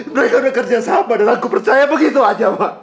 mereka bekerja sama dan aku percaya begitu aja ma